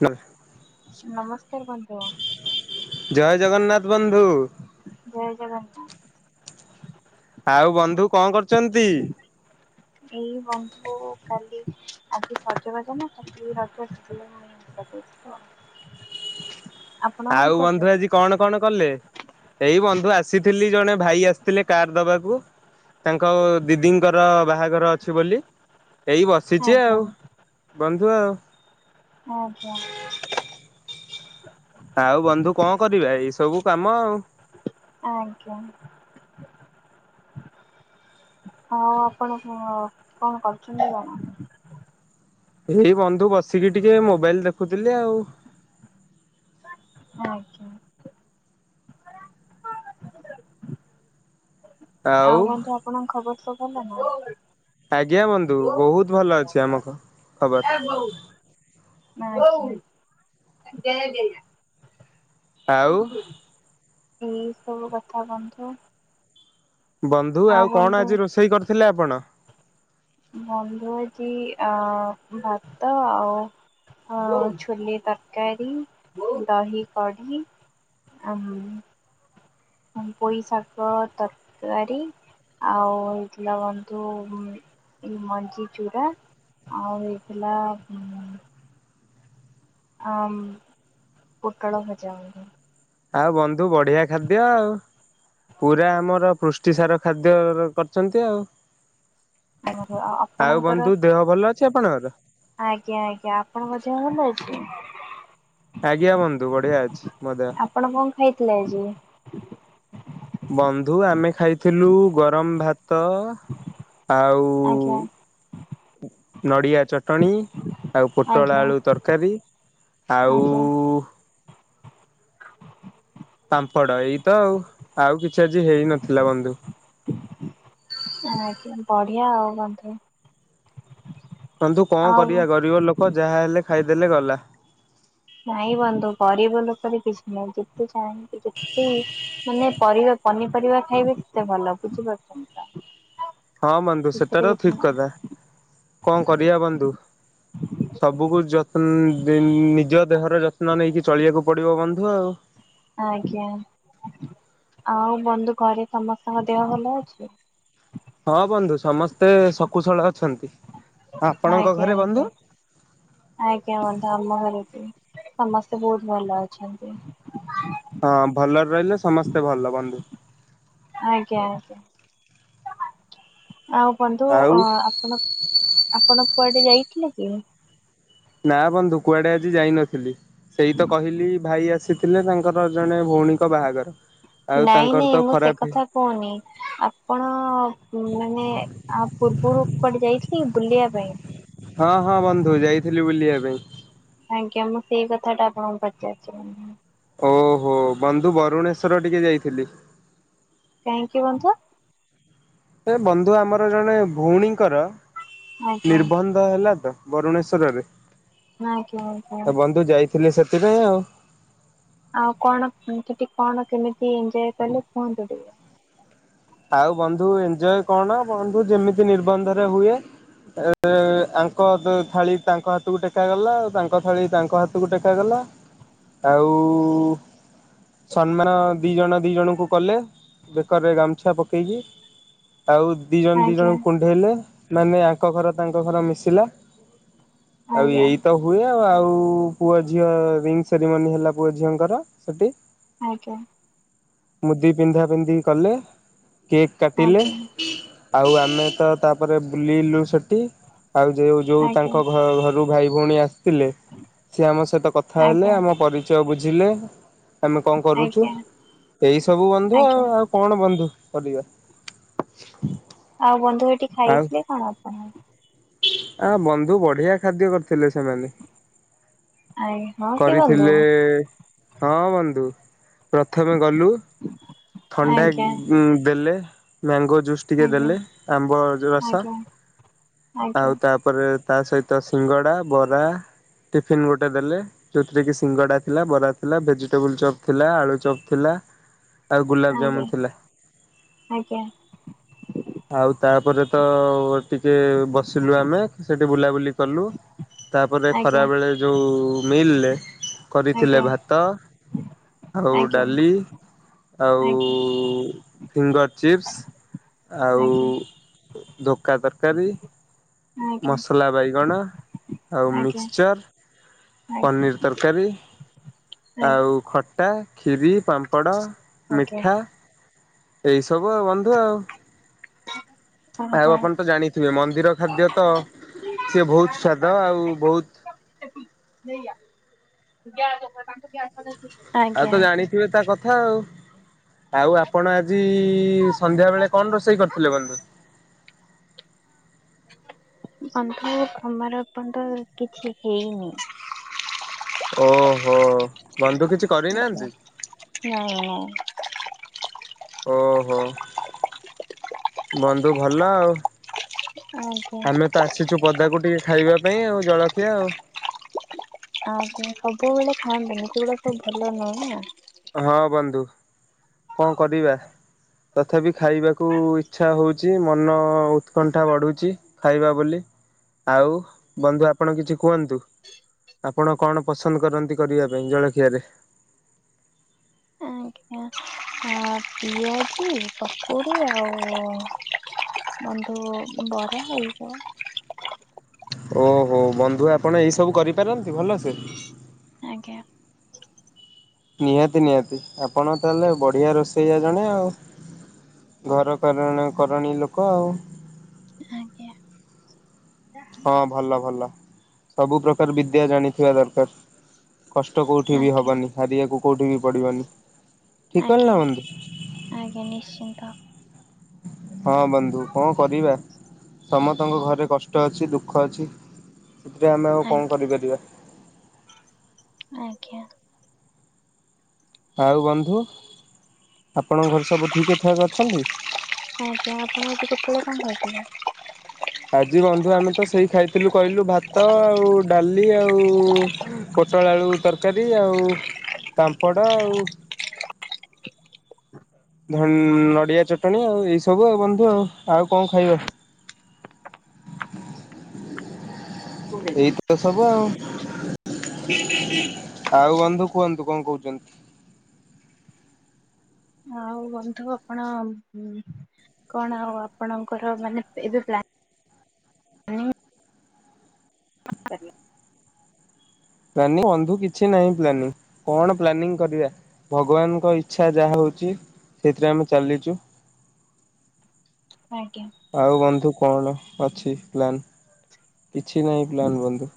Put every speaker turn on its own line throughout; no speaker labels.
ହ [unintelligible]
ନମସ୍କାର ବନ୍ଧୁଗଣ
ଜୟ ଜଗନ୍ନାଥ ବନ୍ଧୁ
ଜୟ ଜଗନ୍ନାଥ।
ଆଉ ବନ୍ଧୁକ୍। କଣ କରୁଚନ୍ତି।
ଏଇ ବନ୍ଧୁ କାଲି ଆଜି ସଜବାଜ ନା କାଲି ରଜ ଆସି ମୁଛି [unintelligible]
ଆଉ ବନ୍ଧୁ ଆଜି କଣ କଣ କଲେ ଏଇ ବନ୍ଧୁ ଆସିଥିଲି। ଜଣେ ଭାଇ ଆସିଥିଲେ କାର୍ ଦବାକୁ ତାଙ୍କ ଦିଦିଙ୍କର ବାହାଘର ଅଛି ବୋଲି। ଏଇ ବସିଛି
ଆଜ୍ଞା
ଆଉ ବନ୍ଧୁ ଦ
ଆଜ୍ଞା ଆଜ୍ଞା।
ଆଉ ବନ୍ଧୁ କଣ କରିବା ଏ ସବୁ କାମ ଆଉ।
ଆଜ୍ଞା। ହଁ ଆପଣ କଣ କଣ କରୁଛନ୍ତି କଣ।
ଏଇ ବନ୍ଧୁ ବସିକି ଟିକେ ମୋବାଇଲ ଦେଖୁଥିଲି ଆଉ।
ଆଜ୍ଞା ଆଜ୍ଞା। ଆଉ ବନ୍ଧୁ ଆପଣଙ୍କ ଖବର। ସବ
ଆଜ୍ଞା ବନ୍ଧୁ ବହୁତ ଭଲ ଅଛି। ଆମ ହ
ଏ ବୋଉ ହଉ ଜୟ ଜ [unintelligible] ଏ ଏଇ
ଆଉ
ସବୁ କଥା କୁହନ୍ତୁ।
ବନ୍ଧୁ ଆଉ କଣ ଆଜି ରୋଷେଇ କରିଥିଲେ ଆପଣ?
ବନ୍ଧୁ ଆଜି ଅ ଭାତ, ଆଉ ଛୁଲି ତରକାରୀ, ଦହି କଡି, ଆ ପୋଇ ଶାଗ ତରକାରୀ, ଆଉ ହେଇଥିଲା ବନ୍ଧୁ ଏ ମଞ୍ଜିଚୂୁରା ଆଉ ହେଇଥିଲା ଉ ଆମ ପୁଟଳ ଭଜାଉି
ଆଉ ବନ୍ଧୁ ବନ୍ଧୁ ବଢ଼ିଆ ଖାଦ୍ୟ ଆଉ ପୁରା ଆମର ପୃଷ୍ଟିସାର ଖାଦ୍ୟ କରିଛନ୍ତି ଆଉ।
ଆଜ୍ଞା ଆଉ ଆପଣଙ୍କର
ବନ୍ଧୁ ଦେହ ଭଲ ଅଛି ଆପଣଙ୍କର?
ଆଜ୍ଞା ଆଜ୍ଞା ଆପଣଙ୍କ ଦେହ ଭଲ ଆ [inaudible]
ଆଜ୍ଞା ବନ୍ଧୁ ବଢିଆ ଅଛି ମ ଦେହ।
ଆପଣ କଣ ଖାଇଥିଲେ ଆଜି?
ବନ୍ଧୁ ଆମେ ଖାଇଥିଲୁ ଗରମ ଭାତ ଆଉ
ଆଜ୍ଞା
ନଡ଼ିଆ ଚଟଣି, ଆଉ ପୋଟଳ
ଆଜ୍ଞା
ଆଳୁ ତରକାରୀ ଆଉ
ଆଜ୍ଞା
ପାମ୍ପଡ ଏଇ ତ ଆଉ ଆଉ କିଛି ଆଜି ହେଇ ନଥିଲା ବନ୍ଧୁ।
ଆଜ୍ଞା ବଢିଆ ଆଉ ବନ୍ଧୁ।
ବନ୍ଧୁ କଣ
ଆଉ
କରିବା ଗରିବ ଲୋକ ଯାହା ହେଲେ ଖାଇଦେଲେ ଗଲା।
ନାଇଁ ବନ୍ଧୁ ଗରିବ ଲୋକର କିଛି ନାହିଁ ଯେତେ ଚାହିଁନ୍ତି ଯେତେ ମାନେ ପରିବା ପନିପରିବା ଖାଇବେ ସେତେ ଭଲ ବୁଝିପାରୁଛନ୍ତି ତ।
ହଁ ବନ୍ଧୁ
ସେଥିରେ
ସେଟଟା
କିଛି
ଠିକ
ନାହିଁ।
କଥା କଣ କରିବା ବନ୍ଧୁ ସବୁକୁ ଯତ୍ନ ନିଜ ଦେହର ଯତ୍ନ ନେଇକି ଚଳିବାକୁ ପଡିବ ବନ୍ଧୁ ଆଉ।
ଆଜ୍ଞା ଆଉ ବନ୍ଧୁ ଘରେ ସମସ୍ତଙ୍କ ଦେହ ଭଲ ଅଛି।
ହଁ ବନ୍ଧୁ ସମସ୍ତେ ଶକୁଶଳ ଅଛନ୍ତି। ଆପଣଙ୍କ
ଆଜ୍ଞ
ଘରେ ବନ୍ଧୁ?
ଆଜ୍ଞା ଆଜ୍ଞା ବନ୍ଧୁ ଆମ ଘରେ ବି ସମସ୍ତେ ବହୁତ ଭଲ ଅଛନ୍ତି।
ହଁ ଭଲରେ ରହିଲେ ସମସ୍ତେ ଭଲ ବନ୍ଧୁ।
ଆଜ୍ଞା ଆଜ୍ଞା। ଆଉ ବୁନ୍ଧୁ
ଆଉ
ଆପଣ ଆପଣ କୁଆଡେ ଯାଇ କି ନକି
ନା ବନ୍ଧୁ କୁଆଡେ ଆଜି ଯାଇନଥିଲି। ସେଇ ତ କହିଲି ଭାଇ ଆସି ଥିଲେ ତାଙ୍କ ଆଉ
ନାଇଁ
ତାଙ୍କର ତ
ନାଇଁ ମୁଁ ସେ
ଖରାପ
କଥା କହୁନି। ଆପଣ ମାନେ ଆ ପୂର୍ବରୁ କୁଆଡେ ଯାଇଥିଲେ କି ବୁଲିବା ପାଇଁ।
ହଁ ହଁ ବନ୍ଧୁ ଯାଇଥିଲି ବୁଲିବା ପାଇଁ।
ଆଜ୍ଞା ମୁଁ ସେଇ କଥାଟା ଆପଣଙ୍କୁ ପଚାରିଛି।
ଓହୋ ବନ୍ଧୁ ବରୁଣେଶ୍ୱର ଟିକେ ଯାଇଥିଲି।
କାହିଁକି ବନ୍ତୁ
ସେ ବନ୍ଧୁ ଆମର ଜଣେ ଭଉଣୀଙ୍କର
ଆଜ୍ଞା
ନିର୍ବନ୍ଧ ହେଲା ତ।
ଆଜ୍ଞା
ବରୁଣେଶ୍ୱରରେ।
ଆଜ୍ଞା
ତ ବନ୍ଧୁ ଯାଇଥିଲି ସେ [inaudible]
ଆଉ କଣ ସେଠି କଣ କେମିତି ଏଞ୍ଜୟ କଲେ କୁହନ୍ତୁ ଟିକେ।
ଆଉ ବନ୍ଧୁ ଏଞଜୟ କଣ ବନ୍ଧୁ ଯେମିତି ନିର୍ବନ୍ଧରେ ହୁଏ ଆଙ୍କ ଥାଳି ତାଙ୍କ ହାତକୁ ଟେକାଗଲା ତାଙ୍କ ଥାଳି ତାଙ୍କ ହାତକୁ ଟେକାଗଲା। ଆଉ ସମ୍ମାନ ଦି ଜଣ ଦି ଜଣଙ୍କୁ କଲେ। ବେକରେ ଗ ଆଛା ପକେଇକି। ଆଉ ଦି ଜଣ ଦି
ଆଜ୍ଞା
ଜଣଙ୍କୁ କୁଣ୍ଢେଇଲେ। ମାନେ ଆଙ୍କ ଘର ତାଙ୍କ ଘର ମିଶିଲା। ଆଉ
ଆଜ୍ଞା
ଏଇତ ହୁଏ। ଆଉ ପୁଅ ଝିଅ ରିଙ୍ଗ୍ ସେରିମନି ହେଲା ପୁଅ ଝିଅଙ୍କର ସେଠି।
ଆଜ୍ଞା।
ମୁଦି ପିନ୍ଧା ପିନ୍ଧି କଲେ କେକ୍ କାଟିଲେ
ଆଜ୍ଞା
ଆଉ ଆମେ ତ ତାପରେ ବୁଲିଲୁ ସେ ଆଉ ଯଉ ଯୋଉ
ଆଜ୍ଞା
ତାଙ୍କ ଘ ଘ ରୁ ଭାଇ ଭଉଣୀ ଆସ ଥିଲେ ସିଏ ଆମ ସହିତ କଥା ହେଲେ।
ଆଜ୍ଞା
ଆମ ପରିଚୟ ବୁଝ ଝିଲେ। ଆମେ କଣ କରୁଛୁ।
ଆଜ୍ଞା
ଏଇ ସବୁ ବନ୍ଧୁ ଆଉ
ଆଜ୍ଞା।
ଆଉ କଣ ବନ୍ଧୁ। ହଲିବା
ଆଉ ବନ୍ଧୁ ଏଠି ଖାଇଥିଲେ କଣ ଆପଣ।
ଆ ବନ୍ଧୁ ବଢିଆ ଖାଦ୍ୟ କରିଥିଲେ ସେମାନେ।
ଆଜ୍ଞା ହଁ କି ବନ୍ଧୁ
କରିଥିଲେ ହଁ ବନ୍ଧୁ। ପ୍ରଥମେ ଗଲୁ ଥଣ୍ଡା
ଆଜ୍ଞା
ଦେଲେ ମ୍ୟାଙ୍ଗୋ ଜୁସ୍ ଟିକେ
ଆଜ୍ଞା
ଦେଲେ। ଆମ୍ବ ରସ
ଆଜ୍ଞା ଆଜ୍ଞା
ଆଉ ତାପରେ ତା ସହିତ ସିଙ୍ଗଡା, ବରା ଟିଫିନ୍ ଗୋଟେ ଦେଲେ। ଯୋଉଥିରେ କି ସିଙ୍ଗଡା ଥିଲା, ବରା ଥିଲା, ଭେଜିଟେବୁଲ୍ ଚପ୍ ଥିଲା, ଆଳୁ ଚପ୍ ଥିଲା। ଆଉ
ଆଜ୍ଞା
ଗୁଲାଵ୍
ଆଜ୍ଞା
ଜାମୁନ୍ ଥିଲା
ଆଜ୍ଞା।
ଆଉ ତାପରେ ତ। ଟିକେ ବସିଲୁ ଆମେ ସେଇଠି ବୁଲାବୁଲି କଲୁ ତାପରେ ଖରାବେଳେ ଯେଉ ମିଇ ଲେ। କରିଥିଲେ ଭାତ ଆଉ
ଆଜ୍ଞା ଆଜ୍ଞା ଆଜ୍ଞା ଆଜ୍ଞା
ଡାଲି ଆଉ।
ଆଜ୍ଞା
ଫିଙ୍ଗର୍ ଚିପ୍ସ ଆଉ
ଆଜ୍ଞା ଆଜ୍ଞା
ଧୋକା ତରକାରୀ ମସଲା ବାଇଗଣ ଆଉ
ଆଜ୍ଞା
ମିକ୍ସଚର ପନିର୍ ତରକାରୀ ଆଉ ଖଟ୍। ପା କ୍ଷୀରି ପାମ୍ପଡ଼
ଆଜ୍ଞା।
ମିଠା ଏଇ ସବୁ ଆଉ ବନ୍ଧୁ ଆଉ ଆଉ
ଓହୋ
ଆପଣ ତ ଜାଣିଥିବେ ମନ୍ଦିର ଖାଦ୍ୟତ ସିଏ ବହୁତ ସ୍ଵାଦ ଆଉ ବହୁତ।
ଆଜ୍ଞା ଗ୍ୟା ତାଙ୍କୁ ଗ୍ୟା [unintelligible]
ଆଉ ତ ଜାଣିଥିବେ ତା କଥା ଆଉ ଆଉ ଆପଣ ଆଜିଇ ସନ୍ଧ୍ୟାବେଳେ କଣ ରୋଷେଇ କରିଥିଲେ ବନ୍ଧୁ
ଅନ୍ଧୁ ଖମାର ଏପନ୍ତ କିଛି ହେଇନି।
ଓହୋ ବନ୍ଧୁ କିଛି
ଆଜ୍ଞା।
କରିନାହାନ୍ତି।
ନାଇଁ ନାଇଁ
ଓହୋ ବନ୍ଧୁ ଭଲ ଆଉ
ଆଜ୍ଞା
ଆମେ ତ ଆସିଛୁ ପଦାକୁ ଟିକେ ଖାଇବା ପାଇଁ ଆଉ ଜଳଖିଆ ଆଉ।
ଆସେ ସବୁବେଳେ ଖାଆନ୍ତି ନି ସେୁଗୁଡା ସବୁ ଭଲ ନୁହେଁ ନା।
ଦୋଉ କଣ କରିବା ତଥାପି ଖାଇବାକୁ ଇଛା ହଉଛି ମନ ଉତ୍କଣ୍ଠା କନ୍ଠା ବଢ଼ୁଛି ଖାଇବା ବୋଲି ଆଉ ବନ୍ଦୁ ଆପଣ କିଛି କୁହନ୍ତୁ ଆପଣ କଣ ପସନ୍ଦ କରନ୍ତି କରିବା ପାଇଁ ଜଳଖିଆରେ।
ଆଜ୍ଞା ଆ ପିଆଜି କକୁଡ଼ି ଆଉ ବନ୍ଧୁ। ବରା ହେଇଯିବ।
ହୋଉ ହୋଉ ବନ୍ଧୁ ଆପଣ ଏଇସବୁ କରିପାରନ୍ତି ଭଲସେ
ଆଜ୍ଞା।
ନିହାତି ନିହାତି ଆପଣ ତାଲେ ବଢ଼ିଆ ରୋଷେଇଆ ଜଣେ ଆଉ ଘର କରଣୀ କରଣି ଲୋକ ଆଉ
ଆଜ୍ଞା।
ହଁ ଭଲ ଭଲ ସବୁପ୍ରକାର ବିଦ୍ୟା ଜାଣିଥିବା ଦରକାର୍ କଷ୍ଟ କୋଉଠି ବି ହେବାନି ହାରିବାକୁ କୋଉଠୀବି ପଡ଼ିବନି
ଆଜ୍ଞା ଆଜ୍ଞା ଆଜ୍ଞା ନିଶ୍ଚିନ୍ତ
ହଁ ବନ୍ଧୁ କଣ କରିବା ସମତ ଙ୍କ ଘରେ କଷ୍ଟ ଅଛି ଦୁଃଖ ଅଛି ଯେ ଆମେ ଆଉ କଣ
ଆଜ୍ଞା
କରିପାରିବା।
ଆଜ୍ଞା।
ଆଉ ବନ୍ଧୁ ଆପଣଙ୍କ ଘର ସବୁ ଠିକ ଠାକ୍ ଅଛନ୍ତି।
ଆଜ ଯପତିିକ ପୁୁରମ ଅଦା [unintelligible]
ଆଜି ବନ୍ଧୁ ଆମେ ତ ସେଇ ଖାଇଥିଲୁ କହିଲୁ ଭାତ ଆଉ ଡାଲି ଆଉ ପୋଟଳ ଆଳୁ ତରକାରୀ ଆଉ ତାମ୍ପଡ଼ ଆଉ ଧନ୍ ନଡିଆ ଚଟଣିୀ ଆଉ ଏଇ ସବୁ ଆଉ ବନ୍ଧୁ ଆଉ ଙ୍କ ଖାଇବା
କୋଉଠି
ଏଇତ
ଅଛନ୍ତି?
ତ ସବୁ ଆଉ। ଆଉ ବନ୍ଧୁ କୁହନ୍ତୁ କଣ କହୁଛନ୍ତି?
ଆଉ ବନ୍ଧୁ ଆପଣ କଣ ଆଉ ଆପଣଙ୍କର ମାନେ ଏବେ ପ୍ଲାନ
ପ୍ଲାନିଂ ବନ୍ଧୁ କିଛି ନାହିଁ ପ୍ଲାନିଂ କଣ ପ୍ଲାନିଂ କରିବା ଭଗବାନଙ୍କ ଇଚ୍ଛା ଯାହା ହଉଛି ସେଥିରେ ଆମେ ଚାଲିଛୁ
ଆଜ୍ଞା।
ଆଉ ବନ୍ଧୁ କଣ ଅଛି ପ୍ଲାନ୍? କିଛି ନାହିଁ ପ୍ଲାନ୍ ବନ୍ଧୁ।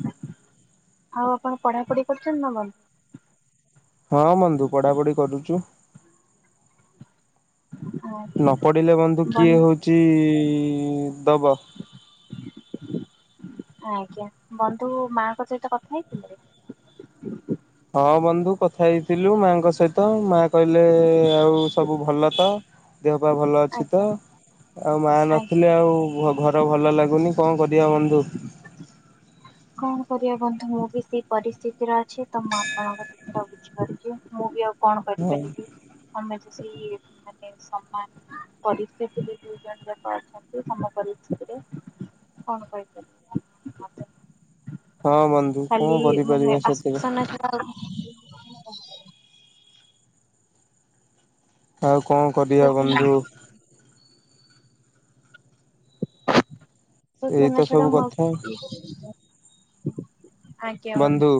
ଆଉ ଆପଣ ପଢାପଢି କରୁଛନ୍ତି ନା ବନ୍ଧୁ
ହଁ ବନ୍ଧୁ ପଢାପଢି କରୁଛୁ। ନ ପଢିଲେ ବନ୍ଧୁ କିଏ ହଉଛି ଦବ
ଆଜ୍ଞା ବନ୍ଧୁ ମାଆଙ୍କ ସହିତ କଥା ହେଇଥିଲେ?
ହଁ ବନ୍ଧୁ କଥା ହେଇଥିଲୁ ମାଆଙ୍କ ସହିତ ମାଆ କହିଲେ ଆଉ ସବୁ ଭଲ ତ? ଦେହ ପା ଭଲ ଅଛି ତ?
ଆଜ୍ଞା
ଆଉ ମାଆ
ଆଜ୍ଞା।
ନଥିଲେ ଆଉ ଘର ଭଲ ଲାଗୁନି। କଣ କରିଆ ବନ୍ଧୁ।
କଣ କରିବା ବନ୍ଧୁ ମୁଁ ବି ସେଇ ପରିସ୍ଥିତିର ଅଛି ତ ମୁଁ ଆପଣଙ୍କ କଥାଟା ବୁଝିପାରୁଛି ମୁଁ ବି ଆଉ କଣ
ହଁ
କରିପାରିବି ଆମେ ସେଇ ମାନେ ସମାନ ପରିସ୍ଥିତିରେ ଦୁଇ ଜଣ ଲୋକ ଅଛନ୍ତି ତମ ପରିସ୍ଥିତିରେ କଣ କହିପାରିବ
ହଁ ବନ୍ଧୁ କଣ କରିପାରିବା ସେଥିରେ
ହ
କାହାକୁ କଣ କରିବା ବନ୍ଧୁ।
ଆଶ୍ଵାସନା ତ
ଏଇ
ତମ ଛଡ଼ା
ସବୁ
ମୁଁ ଆଉ
କଥା
କିଛି ଇଏ କରିପାରିବି। ଆଜ୍ଞା
ବନ୍ଧୁ
ମଉସା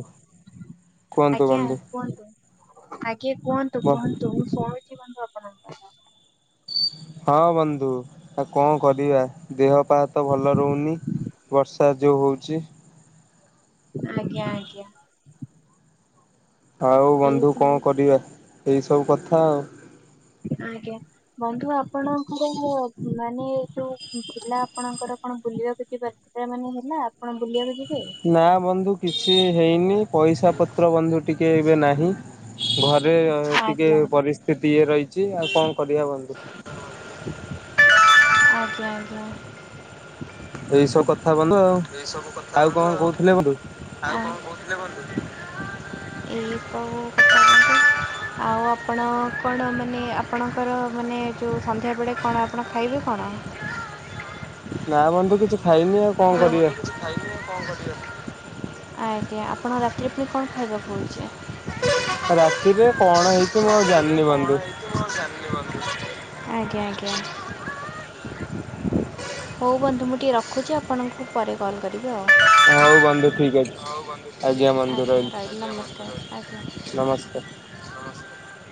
କୁହନ୍ତୁ
ଆଜ୍ଞା
ବନ୍ଧୁ।
କୁହନ୍ତୁ। ଆଜ୍ଞା। କିଏ କୁହନ୍ତୁ କୁହନ୍ତୁ ମୁଁ ଶୁଣୁଚି। କି ବନ୍ଧୁ ଆପଣଙ୍କର?
ହଁ ବନ୍ଧୁ ଆଉ କଣ କରିବା ଦେହ ପା ତ ଭଲ ରହୁନି ବର୍ଷ ବର୍ଷା ଯୋଉ ହଉଛି।
ଆଜ୍ଞା ଆଜ୍ଞା।
ଆଉ
ଏଇ
ବନ୍ଧୁ କଣ
ସବୁ
କରିବା। ଏଇସବୁ କଥା ଆଉ।
ଆଜ୍ଞା ବନ୍ଧୁ ଆପଣଙ୍କର ମାନେ ଯୋଉ ଥିଲା ଆପଣଙ୍କର କଣ ବୁଲିବାକୁ ଯିବା ସେଇଟା ମାନେ ହେଲା ଆପଣ ବୁଲିବାକୁ ଯି
ନା ବନ୍ଧୁ କିଛି, ହେଇନି ପଇସା ପତ୍ର ବନ୍ଧୁ ଟିକଏ ଏବେ ନାହିଁ ଘରେ ଟିକେ
ଆଜ୍ଞା
ପରିସ୍ଥିତି ଇଏ ରହିଛି, ଆଉ କଣ କରିବା ବନ୍ତୁ
ଆଜ୍ଞା ଆଜ୍ଞା
ଏଇ ସବୁ କଥା ବନ୍ଧୁ ଆଉ
ଏସବୁ କଥା
କଣ
ବଧୁ ଆଉ
କହୁଥିଲେ ବନ୍ଧୁ
ଆଉ କଣ କହୁଥିଲେ କୁନ୍ତୁ। ଏଇ କ କଥା ଆଉ ଆପଣ କଣ ଆମେ ମାନେ ଆପଣଙ୍କର ମାନେ ଯେଉଁ ସନ୍ଧ୍ୟାବେଳେ କଣ ଆପଣ ଖାଇବେ କଣ
ନା ବନ୍ଧୁ କିଛି, ଖାଇନି ଆଉ କଣ
ହଁ
କରିବା
ବଧୁ କିଛି ଖାଇକି କଣ କରିବି ଆଜ୍ଞା ଆପଣ ରାତିରେ ପୁଣି କଣ ଖାଇବାକୁଳୁଛେ
ରାତିରେ କଣ ହେଇଛି ମୁଁ ଆଉ
ରାତିରେ
ଜାଣିନି
କଣ
ବନ୍ଧୁ
ହେଇଛି ମୁଁ ଆଉ ଜାଣିନି ବନ୍ଧୁ। ଆଜ୍ଞା ହଉ ବନ୍ଧୁ ମୁଁ ଟିକେ ରଖୁଛି ଆ ଆପଣଙ୍କୁ ପରେ କଲ୍ କରି
ହଉ ବନ୍ଧୁ ଠିକ ଅଛି ଆଜ୍ଞା ବନ୍ଧୁ
୍ଜ୍ସ୍କାର
ରହିଲି
ଆଜ୍
ନମସ୍କାର।
[inaudible]